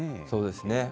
そうですね。